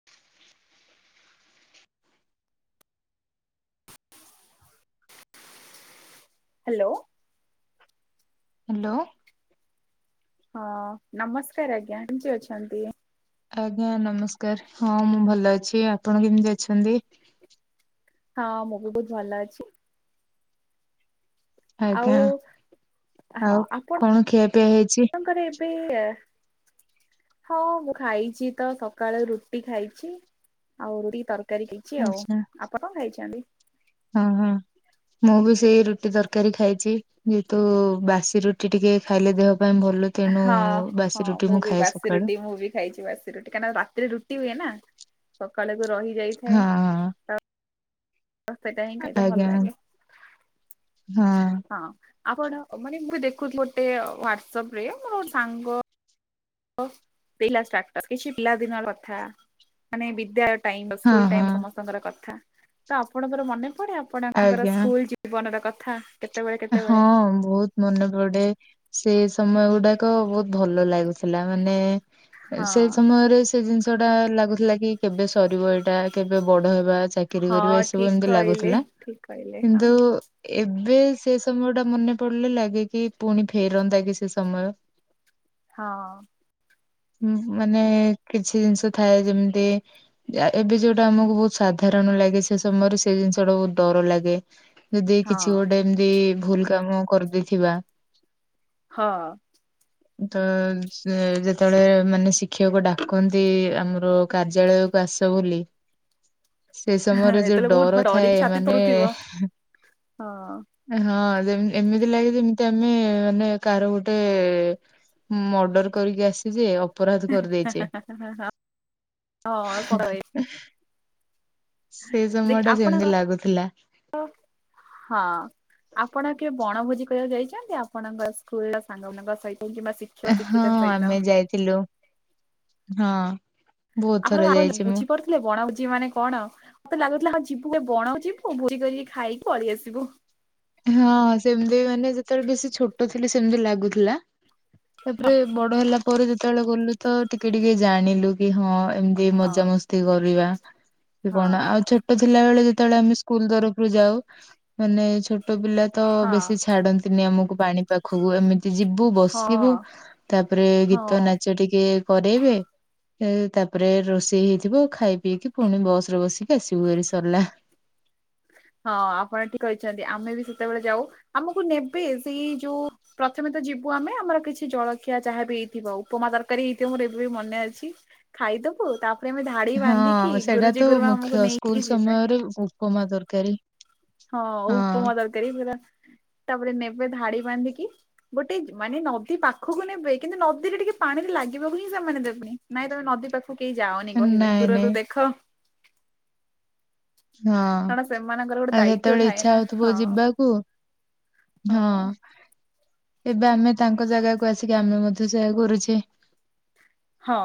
[inaudible] Hello. Hello. ହଁ ନମସ୍କାର ଆଜ୍ଞା କେମିତି ଅଛନ୍ତି? ଆଜ୍ଞା ନମସ୍କାର ହଁ ମୁଁ ଭଲ ଅଛି ଆପଣ କେମିତି ଅଛନ୍ତି? ହଁ ମୁଁ ବି ବହୁତ ଭଲ ଅଛି। ଆଉ ଆଜ୍ଞା ହଁ ଆଉ ଆପଣ କଣ ଖିଆପିଆ ହେଇଛି ଆପଣଙ୍କର ଏବେ ହଁ ମୁଁ ଖାଇଛି ତ ସକାଳୁ ରୁଟି ଖାଇଛି ଆଉ ର ତରକାରୀ ତରକାରି ହେଇଛି ଆଉ ଆଚ୍ଛା ଆପ କଣ ଖାଇଛନ୍ତି? ହଁ ହଁ ମୁଁ ବି ସେଇ ରୁଟି ତରକାରୀ ଖାଇଛି। ଯେହେତୁ ବାସି ରୁଟି ଟିକେ ଖାଇଲେ ଦେହ ପାଇଁ ଭଲ ତେଣୁ ହଁ ହଁ ବାସି ରୁଟି ମୁଁ ବି ଖାଏ ବାସି ସକାଳୁ ରୁଟି ମୁଁ ବି ଖାଇଛି ବାସି [inaudible] ରୁଟି କାହିଁକି ନା ରାତିରେ ରୁଟି ହୁଏ ନା, ସକାଳକୁ ରହିଯାଇ ହଁ ହଁ। ତ ସେଇଟା ହିଁ ଖାଇଲେ ଭଲ ଆଜ୍ଞା ଲାଗେ ହଁ। ଆପଣ ମାନେ ମୁ ଦେଖୁଥିଲୁ ଗୋଟେ ହ୍ୱାଟସପ ରେ ମୋରୋ ସାଙ୍ଗ ଓ ଦେଇଥିଲା ଷ୍ଟାଟସ୍ କିଛି ପିଲାଦିନ କଥା ମାନେ ବିଦ୍ୟା ପାଇଁ ତ ହଁ ସ୍କୁଲ୍ ହଁ ଟାଇମ ସମସ୍ତଙ୍କର କଥା ତ ଆପଣଙ୍କର ମନେ ପଡେ ଆପଣଙ୍କର ଆଜ୍ଞା ସ୍କୁଲ୍ ଯିବା ଟା ଜୀବନର କଥା କେତେବେଳେ ହଁ କେତେବେଳେ? ବହୁତ ମନେ ପଡେ ସେ ସମୟ ଗୁଡାକ ବହୁତ ଭଲ ଲାଗୁଥିଲା ମାନେ ସେଇ ହଁ ସମୟରେ ସେ ଜିନିଷ ଟା ଲାଗୁଥିଲା କି କେବେ ସରିବ ଏଇଟା କେବେ ବଡ ହେବା ଚାକିରୀ ହଁ କରିବା ଏସବୁ ଠିକ ଏମିତି କହିଲେ ଲାଗୁଥିଲା ଠିକ କହିଲେ ହଁ। କିନ୍ତୁ ଏବେ ସେ ସମୟ ଟା ମନେ ପଡିଲେ ଲାଗେ କି ପୁଣି ଫେରନ୍ତା କି ସେ ସମୟ ହଁ। ମାନେ କିଛି ଜିନିଷ ଥାଏ ଯେମିତି ଏବେ ଯୋଉଟା ଆମକୁ ବହୁତ ସାଧାରଣ ଲାଗେ ସେ ସମୟରେ ସେ ଜିନିଷ ଟା ବହୁତ ଡର ଲାଗେ ଯଦି ହଁ କିଛି ଗୋଟେ ଏମତି ଭୁଲ କାମ କରିଦେଇଥିବା। ହଁ [unintelligible] ତ ଯେତେବେଳେ ମାନେ ଶିକ୍ଷକ ଡାକନ୍ତି ଆମର କାର୍ଯ୍ୟାଳୟ କୁ ଆସ ବୋଲି ସେ ସମୟରେ ଯୋଉ ଏତେବେଳେ ବହୁତ ଡର ମାନେ ଡରିକି ଥାଏ ଛାତି ମାନେ ଥରୁଥିବ ଏ ହଁ ହଁ ଯେ ଏମିତି ଲାଗେ ଯେମିତି ଆମେ ମାନେ କାହାର ଗୋଟେ ଏ ମର୍ଡର କରିକି ଆସି ଅପ୍ ଅପରାଧ କରିଦେଇଛେ। ହଁ ସତରେ [inaudible] ସେ ଦେଖ ସମୟ ଟା ଆପଣଙ୍କ ସେମିତି ଲାଗୁଥିଲା। [inaudible] ହଁ ଆପଣ କେବେ ବଣଭୋଜି କରିବାକୁ ଯାଇଛନ୍ତି। ଆପଣଙ୍କ ସ୍କୁଲ ର ସାଙ୍ଗମାନଙ୍କ ସହିତ କିମ୍ବା ଶିଖି ହଁ ଆମେ ଯାଇଥିଲୁ ହଁ ବହୁତ ଥର ଯାଇଛି ମୁଁ। ବଣ ଭୋଜି ମାନେ କଣ ମତେ ଲାଗୁଥିଲା ଆମେ ଯିବୁ ଏ ବଣ କୁ ଯିବୁ ଭୋଜି କରିକି ଖାଇକି ଅଳିେଇ ଆସିବୁ। ହଁ ସେମତି ମାନେ ଯେତେବେଳେ ବେଶୀ ଛୋଟ ଥିଲି ସେମିତି ଲାଗୁଥିଲା। ତାପରେ ବଡ ହେଲା ପରେ ଯେତେବେଳେ ଗଲୁ ତ ଟିକେ ଟିକେ ଜାଣିଲୁ କି ହଁ ଏମ ତି ହଁ। ମଜା ମସ୍ତି କରିବା କି କଣ ହଁ ଆଉ ଛୋ ଟ ଥିଲାବେଳେ ଯେତେବେଳେ ଆମେ ସ୍କୁଲ ତରଫରୁ ଯାଉ ମାନେ ଛୋଟ ପିଲା ତ ହଁ ବେଶୀ ଛାଡନ୍ତି ନି ଆମକୁ ପାଣି ପାଖକୁ ଏମି ତି ଯିବୁ ହଁ ବସିବୁ ତାପରେ ଗୀତ ହଁ। ନାଚ ଟିକେ କରରୋଇବେ। ଏ ତାପରେ ରୋଷେଇ ହେଇଥିବ ଖାଇ ପିଇକି ପୁଣି ବସ ରେ ବସିକି ଆସିବୁ ଏରି ସରିଲା। ହଁ ଆପଣ ଠିକ୍ କହିଛନ୍ତି ଆମେ ବି ସେତେବେଳେ ଯାଉ ଆମକୁ ନେବେ ସେଇ ଯୋଉ ପ୍ରଥମେ ତ ଯିବୁ ଆମେ ଆମର କିଛି ଜଳଖିଆ ଯାହା ବି ହେଇଥିବ ଉପମା ତରକାରୀ ହେଇଥିବ ମୋର ଏବେ ବି ମନେ ଅଛି। ଖାଇଦବୁ ତାପ ହଁ ସେଟା ତ ଆମକୁ ମୁଖ୍ୟ ନେଇକି ସ୍କୁଲ ଯିବେ ସମୟରେ ଉପମା ତରକାରୀ। ହଁ ଉପମା ହଁ। ତରକାରୀ ପୁରା ତାପରେ ନେବେ ଧାଡି ବାନ୍ଧିକି। ଗୋଟେ ମାନେ ନଦୀ ପାଖକୁ ନେବେ କିନ୍ତୁ ନଦୀରେ ଟିକେ ପାଣିରେ ଲାଗିବକୁ ହିଁ ସେମାନେ ଦେବେନି ନାଇଁ ତମେ ନଦୀ ପାଖ କୁ କେହି ଯାଉନି କହିବେ ନାଇଁ ନାଇଁ ଦୂରରୁ ଦେଖ। ହଁ କାରଣ ସେମାନଙ୍କର ଗୋଟେ ଆଉ ଦାୟିତ୍ଵ ଯେତେବେଳେ ଥାଏ ଇଛା ନା ହଉଥିବ ହଁ ଯିବାକୁ ହଁ ଏବେ ଆମେ ତାଙ୍କ ଜାଗାକୁ ଆସିକି ଆମେ ମଧ୍ୟ ସେୟା କରୁଛେ। ହଁ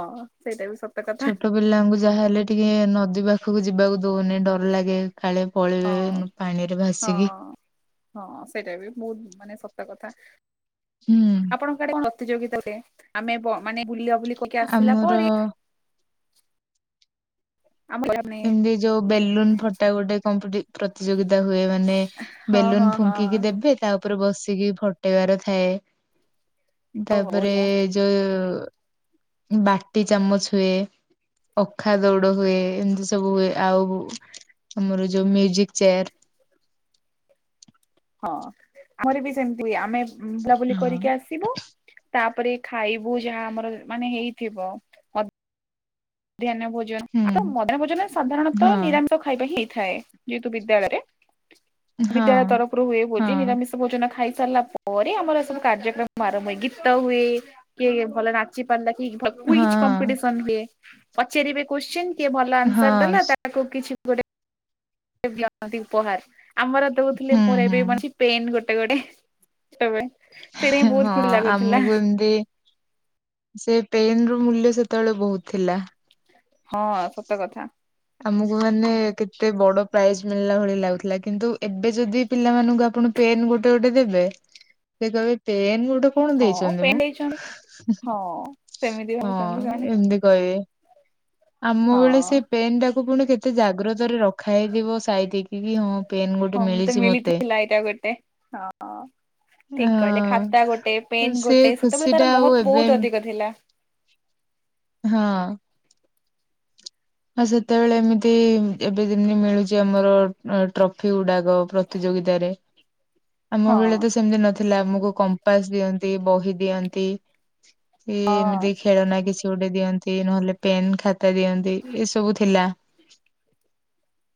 ସେଇଟା ବି ସ ଛୋଟ ପିଲାଙ୍କୁ ଯାହାହେଲେ ଟିକେ ନଦୀ ପାଖକୁ ଯିବାକୁ ଦଉନେ ଡର ଲାଗେ। କାଳେ ହଁ ପଳେଇବେ ପାଣିରେ ଭାସିକି। ହଁ ହଁ ସେଇଟା ବି ବହୁତ ମାନେ ସତ କଥା। ହୁଁ ଆପଣଙ୍କ କଡେ ପ୍ରତିଯୋଗିତା ଦେଲେ ଆମେ ମାନେ ବୁଲିବା ବୁଲି କହିକି ଆସିଲା ଆମର ପରେ। ଆମର [inaudible] ଏମିତି ଯୋଉ ବେଲୁନ ଫଟା ଗୋଟେ କମ୍ପିଟି ପ୍ରତିଯୋଗିତା ହୁଏ ମାନେ ହଁ ବେଲୁନ ହଁ ହଁ ଫୁଙ୍କିକି ଦେବେ ତା ଉପରେ ବସିକି ଫଟେଇବାର ଥାଏ ଓହୋ ତାପରେ ବଢିଆ ଯୋଉ ବାଟି ଚାମଚ ହୁଏ ଅଖା ଦୌଡ ହୁଏ ଏମତି ସ ସବୁୁ ଆଉ ଆମର ଯୋଉ ମ୍ୟୁଜିକ ଚେୟାର। ହଁ ଆମର ବି ସେମିତି ହୁଏ ଆମେ ବୁଲାବୁଲି ହଁ କରିକି ଆସିବୁ। ତାପରେ ଖାଇବୁ ଯାହା ଆମର ମାନେ ହେଇଥିବ। ମଧ୍ୟାନ ଭୋଜନ ହୁଁ ଆ ମଧ୍ୟାନ ଭୋଜନ ସାଧାରଣତଃ ହଁ ନିରାମିଷ। ଖାଇବା ହେଇଥାଏ ଯେହେତୁ ବିଦ୍ୟାଳୟରେ ହଁ ବିଦ୍ୟାଳୟ ତରଫରୁ ହୁଏ ଭୋଜି ହଁ ନିରାମିଷ। ଭୋଜନ ଖାଇସାରିଲା ପରେ ଆମର ସବୁ କାର୍ଯ୍ୟକ୍ରମ ଆରମ୍ଭ ହୁଏ ଗୀତ ହୁଏ କିଏ ଭଲ ନା ଚି ପାରିଲା କି ଭ କୁଇଜ୍ ହଁ କମ୍ପିଟିସନ୍ ହୁଏ ପଚାରିବେ କୋଶ୍ଚିନି କିଏ ଭଲ ଆନ୍ସର ଦେଲା ହଁ ତା ତାକୁ କିଛି ଗୋଟେ ଦିଅନ୍ତି ଉପହାର ଆମର ଦଉଥିଲେ ହୁଁ ମୋର ଏବେ ହୁଁ ବି ମନେ ଛି ପେନ୍ ଗୋଟେ ଗୋଟେ ସ ସେଟ ବହୁତ ଖୁସି ଲାଗୁଥିଲା। ଦେ ସେ ପେନ ର ମୂଲ୍ୟ ସେତେବେଳେ ବହୁତ ଥିଲା। ହଁ ସତ କଥା। ଆମକୁ ମାନେ କେତେ ବଡ ପ୍ରାଇଜ ମିଳିଲା ଭଳି ଲାଗୁଥିଲା। କିନ୍ତୁ? ଏବେ ଯଦି ପିଲାମାନଙ୍କୁ ଆପଣ ପେନ୍ ଗୋଟେ ଗୋଟେ ଦେବେ ସେ କହିବେ ପେନ୍ ଗୋଟେ କଣ ହଁ ଦେଇଛନ୍ତି ମୁଁ ପେନ୍ ଦେଇଛନ୍ତି ହଁ ସେମିତି ହଁ ଭାବୁଛନ୍ତି ସେମାନେ ଏବେ। କହେ ଆମ ବେଳେ ହଁ ସେ ପେନ୍ ଟାକୁ ପୁଣି କେତେ ଜାଗ୍ରତ ରେ ରଖା ହେଇଥିବ ସାଇତିକି କି ହଁ। ପେନ୍ ଗୋଟେ ହଁ ମିଳିଛି ମତେ। ମିଳିଥିଲା ଏଇଟା ଗୋଟେ ହଁ ଠିକ କହିଲେ ଖାତା ଗୋଟେ ହଁ ପେନ୍ ସେ ଗୋଟେ ସେତେବେଳେ ଖୁସି ତାର ଟା ଆଉ ମହତ୍ଵ ଏବେ ବହୁତ ଅଧିକ ଥିଲା ହଁ। ହଁ ସେତେବେଳେ ଏମିତି ଏବେ ଯେମିତି ମିଳୁଛି। ଆମର ଟ୍ରଫି ଗୁଡାକ ପ୍ରତିଯୋଗିତାରେ ଆମ ହଁ ବେଳେ ତ ସେମତି ନଥିଲା ଆମକୁ କମ୍ପାସ ଦିଅନ୍ତି ବହି ଦିଅନ୍ତି। ହଁ ଏମିତି ଖେଳନା କିଛି ଗୋଟେ ଦିଅନ୍ତି ନହେଲେ ପେନ୍ ଖାତା ଦିଅନ୍ତି ଏସବୁ ଥିଲା।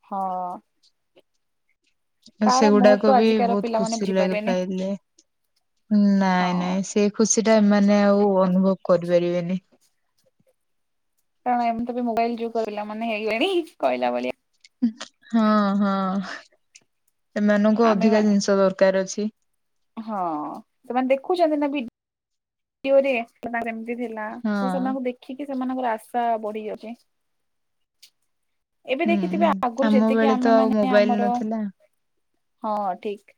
ହଁ। ତାର ସେଗୁଡାକ ମହତ୍ଵ ବି ଆଜିକାର ବହୁତ ପିଲାମାନେ ଖୁସି ଲାଗି ବୁଝିପାରିବେନି ପାଇଲେ। ହଁ ନାଇଁ ନାଇଁ ସେ ଖୁସି ଟା ଏମାନେ ଆଉ ଅନୁଭବ କରିପାରିବେନି। କାରଣ ଏମ ତ ମୋବାଇଲ ଯୁଗ ମାନେଇଗଣି କହିଲା ହଁ ହଁ ଏମାନଙ୍କୁ ଆମେ ଅଧିକା ଜିନିଷ ଦରକାର ଅଛି। ହଁ ସେମାନେ ଦେଖୁଛନ୍ତି ନା ବି ଓ ସେ ସେମିତି ଥିଲା ହଁ ତ ସେମାନଙ୍କୁ ଦେଖ ଦେଖିକି ସେମାନଙ୍କର ଆଶା ବଢି ଯାଉଛି। ଏବେ ହୁଁ ଦେଖିଥିବେ ଆଗରୁ ଆମ ଯେତିକି ବେଳେ ତ ଆମେ ଆଉ ମାନେ ମୋବାଇଲ ଆମର ନଥିଲା ହଁ ଠିକ।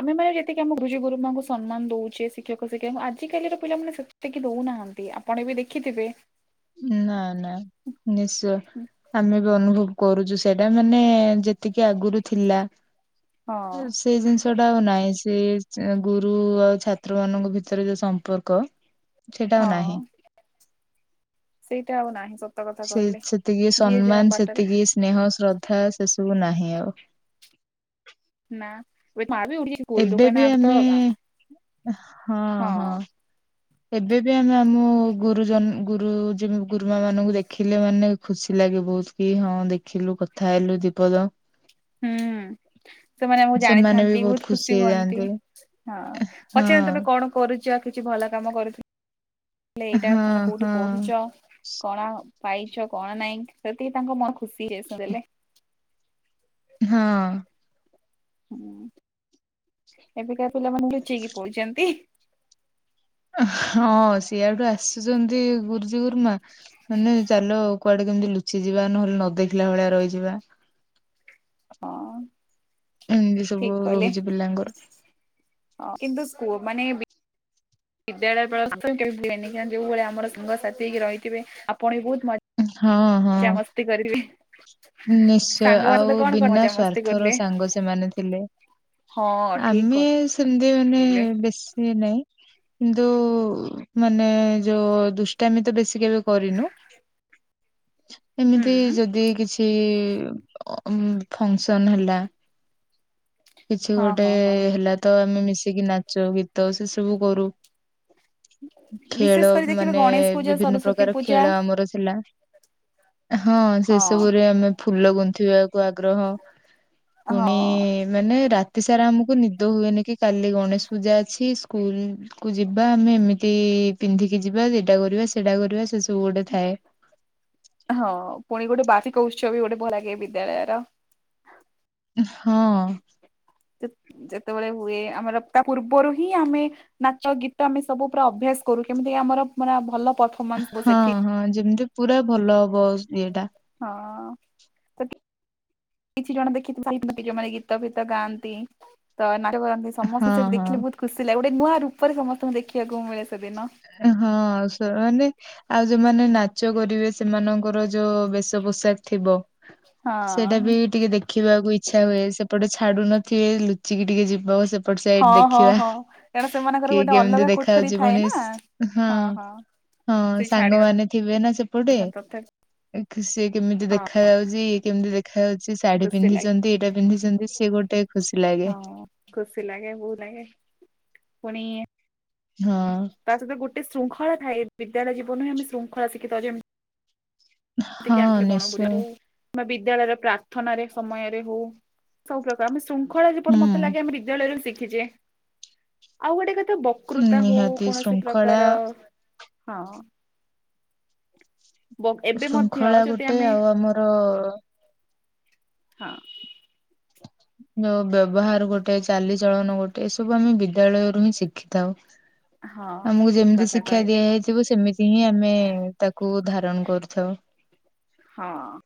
ଆମେମାନେ ଯେତିକି ଆମ ଗୁଜୁ ଗୁରୁମାଙ୍କୁ ସମ୍ମାନ ଦଉଛେ ଶିକ୍ଷକ ଶିକ୍ଷା ଆଜିକାଲିର ପିଲାମାନେ ସେତିକି ଦଉନାହାନ୍ତି ଆପଣ ଏବେ ଦେଖିଥିବେ ନା ନା ନି [unintelligible] ଆମେ ବି ଅନୁଭବ କରୁଛୁ ସେଇଟା ମାନେ ଯେତିକି ଆଗରୁ ଥିଲା। ହଁ ସେଇ ଜିନିଷ ଟା ଆଉ ନାଇଁ ସେ ଗୁରୁ ଆଉ ଛାତ୍ର ମାନଙ୍କ ଭିତରେ ଯୋଉ ସମ୍ପର୍କ ସେଇଟା ଆଉ ହଁ ନାହିଁ। ସେଇଟା ଆଉ ନାହିଁ ସତ। କଥା ସେ କହିଲେ ସେତିକି ଯିଏ ଯାହା ସମ୍ମାନ ବାଟରେ ସେତିକି ସ୍ନେହ ଶ୍ରଦ୍ଧା ସେସବୁ ନାହିଁ ଆଉ। ନା ଏ ଆ ଉଠ ଗୁଲ ଏବେ ବି ଦୋକାନ ଆଗ ତ ଆମେ ହଁ। ଏବେ ବି ଆମେ ଆମ ଗୁରୁଜନ ଗୁରୁଜି ଗୁରୁମା ମାନଙ୍କୁ ଦେଖିଲେ ମାନେ ଖୁସି ଲାଗେ ବହୁତ। କି ହଁ ଦେଖିଲୁ କଥା ହେଲୁ ଦୀପଦ। ହୁଁ। ସେମାନେ ଆମକୁ ସେମାନେ ବି ଜାଣିଥାନ୍ତି ବହୁତ ଖୁସି ହୁଅନ୍ତି। ହେଇଯାଆନ୍ତି। ହଁ ପଚାରନ୍ତି ତମେ ହଁ କଣ? କରୁଛ କିଛି ଭଲ କାମ କରୁଲେ ଏଇଟା ହଁ କଣ କୋଉଠି ହଁ ପଢୁଛ? କଣ ପାଇଛ କଣ ନାଇଁ ସେତିକି ତାଙ୍କ ମନ ଖୁସି ହେସୁ ଦେଲେ। ହଁ। ହୁଁ ଏବେକା ପିଲାମାନୋନ ଲୁଚେଇକି ପଡୁଛନ୍ତି। ହଁ ସିଏ ଆଉଠୁ ଆସୁଛନ୍ତି ଗୁରୁ ଗୁର୍ମା ମାନେ ଚାଲ କୁଆଡେ କେମିତି ଲୁଚିଯିବା ନହେଲେ ନ ଦେଖିଲା ଭଳିଆ ରହିଯିବା। ହଁ ଏମିତି ଠିକ ସବୁ କହିଲେ। ରହିଛି ପିଲାଙ୍କର। କିନ୍ତୁ ସ୍କୁ ମାନେ।। ବିଦ୍ୟାଳୟ ଯୋଉ ଭଳି ଆମର ସାଙ୍ଗ ସଥି ହେଇକି ରହିଥିବେ ଆପଣ ବି ବହୁତ ମ ହଁ ହଁ। [unintelligible] କରିବି। ନିଶ୍ଚୟ ଆଉ ବିନା ମଜା ମସ୍ତି ସ୍ଵାର୍ଥର କଲେ ସାଙ୍ଗ ସେମାନେ ଥିଲେ। ହଁ ଠିକ ଆମେ ସେମତି ମାନେ କହିଲେ ବେଶୀ ନାଇଁ କିନ୍ତୁ ମାନେ ଯୋଉ ଦୁଷ୍ଟାମି ତ ବେଶୀ କେବେ କରିନୁ ଏମିତି ହୁଁ। ଯଦି କିଛି ଅ ଫଙ୍କସନ ହେଲା କିଛି ହଁ ଗୋଟେ ହଁ ହଁ ହେଲା ତ ଆମେ ମିଶିକି ନାଚ ଗୀତ ସେ ସବୁ କରୁ। ବିଶେଷ ଖେଳ କରି ଦେଖିବେ ମାନେ ଗଣେଶ ପୂଜା ବିଭିନ୍ନ ସରସ୍ଵତୀ ପ୍ରକାର ପୂଜା ଖେଳ ଆମର ଥିଲା। ହଁ ସେ ସବୁରେ ଆମେ ଫୁଲ ଗୁନ୍ଥିବାକୁ ଆଗ୍ରହ ପୁଣି ହଁ। ମାନେ ରାତି ସାରା ଆମକୁ ନିଦ ହୁଏନି କି କାଲି ଗଣେଶ ପୂଜା ଅଛି ସ୍କୁଲ କୁ ଯିବା ଆମେ ଏମିତି ପିନ୍ଧିକି ଯିବା ଏଟା କରିବା ସେଟା କରିବା ସେ ସବୁ ଗୋଟେ ଥାଏ। ହଁ ପୁଣି ଗୋଟେ ବାର୍ଷିକ ଉତ୍ସବ ବି ଗୋଟେ ଭଲ ଲାଗେ ବିଦ୍ୟାଳୟର। ହଁ। ଯେତ ଯେତେବେଳେ ହୁଏ ଆମର ତା ପୂର୍ବରୁ ହିଁ ଆମେ ନାଚ ଗୀତ ଆମେ ସବୁ ପୁରା ଅଭ୍ୟାସ କରୁ କେମିତି କି ଆମରା ମାନେ ଭଲ ପର ହଁ ହଁ ଯେମିତି ପୁରା ଭଲ ହବ ସ୍ ଇଏଟା। ହଁ [unintelligible] କିଛି ଜଣ ଦେଖିଥିବ [unintelligible] ଯୋଉମାନେ ଗୀତ ଫିତ ଗାଆନ୍ତି ତ ନାଚ କରନ୍ତି ସମସ୍ତଙ୍କୁ ହଁ ସେଇଠି ହଁ ଦେଖିଲେ ବହୁତ ଖୁସି ଲାଗେ ଗୋଟେ ନୂଆ ରୂପରେ ସମସ୍ତଙ୍କୁ ଦେଖିବାକୁ ମିଳେ ସେଦିନ। ଆରେ ହଁ ସ ମାନେ ଆଉ ଯୋଉମାନେ ନାଚ କରିବେ ସେମାନଙ୍କର ଯୋଉ ବେଶ ପୋଷାକ ଥିବ ହଁ ସେଇଟା ବି ଟିକେ ଦେଖ ଖିବାକୁ ଇଚ୍ଛା ହୁଏ ସେପଟେ ଛାଡ଼ୁ ନଥିବେ ଲୁଚିକି ଟିକେ ଯିବ ସେପ ପଟ ସାଇଡ ହଁ ହଁ ଦେଖିବା ହଁ କାରଣ ସେମାନଙ୍କର କିଏ ଗୋଟେ ଅଲଗା କେମିତି କୋଠରୀ ଦେଖାଯାଉଛି ଥାଏ ପୁଣି ନା। ହଁ ହଁ ସେ ଛାଡି ସାଙ୍ଗମାନେ ଥିବେ ନା ସେପଟେ ନଥାନ୍ତି ତଥାପି ଏମତି ଖୁସି ହେଇକି କେମିତି ହଁ ଦେଖାଯାଉଛି କେମିତି ଦେ ଖାଯାଉଛି ଶାଢୀ ଖୁସି ଲାଗେ ପିନ୍ଧିଛନ୍ତି ଏଇଟା ପିନ୍ଧିଛନ୍ତି ସିଏ ଗୋଟେ ଖୁସି ଲାଗେ। ହଁ ଖୁସି ଲାଗେ ବୋହୁ ନାକେ ପୁଣି ହଁ। ତା ସହିତ ଗୋଟେ ଶୃଙ୍ଖଳା ଥାଏ ବିଦ୍ୟାଳୟ ଜୀବନରୁ ହିଁ ଆମେ ଶୃଙ୍ଖଳା ଶିଖିଥାଉ ଯେମତି ହଁ ନିଶ୍ଚୟ। ବା ବିଦ୍ୟାଳୟର ପ୍ରାର୍ଥନାରେ ସମୟରେ ହଉ ସବୁ ପ୍ରକାର ଆମେ ଶୃ ଖଳା ଯେପଟ ମତେ ଲାଗେ ହୁଁ ଆମେ ବିଦ୍ୟାଳୟରୁ ଶିଖିଛେ ଆଉ ଗୋଟେ କଥା ବ କୃତା ହଉ ନିହାତି କୌଣସି ଶୃଙ୍ଖଳା ପ୍ରକାର ହଁ ବକ୍ ଏବେ ମ ଖଳା ଗୋଟେ ଆଉ ଆମର ହଁ। ଯୋଉ ବ୍ୟବହାର ଗୋଟେ ଚାଲିଚଳନ ଗୋଟେ ଏ ସବୁ ଆମେ ବିଦ୍ୟାଳୟରୁୁ ହିଁ ଶିଖିଥାଉ। ହଁ ଆମକୁ ଠିକ ଯେମିତି କଥା ଶିକ୍ଷା କହିଲେ ଦିଆଯାଇଥିବ ସେମିତି ହିଁ ଆମେ ତାକୁ ଧାରଣ କରୁଥାଉ। ହଁ।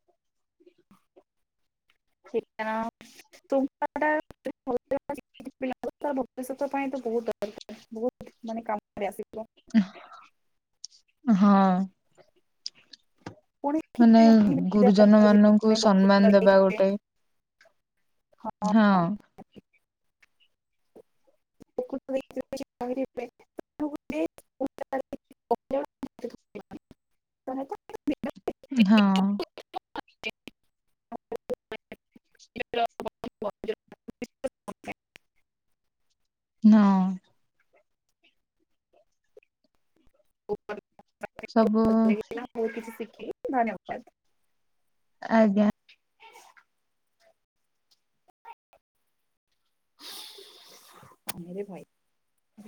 [inaudible] [unintelligible] ପିଲା ଭବିଷ୍ୟତ ପାଇଁ ତ ବହୁତ ଦରକାର ବହୁତ ମାନେ କାମରେ ଆସିିବ। ହଁ ହଁ। ପୁଣି ମାନେ ବିଦ୍ୟାଳୟ ଗୁରୁଜନମାନଙ୍କୁ ସମ୍ମାନ ଦେବା ଗୋଟେ ହଁ। ହଁ। ବହୁତ ହଁ। ନାଁ। ସବୁ ମୁଁ କିଛି ଶିଖିଲି ଧନ୍ୟବାଦ। ଆଜ୍ଞା। ରେ ଭାଇ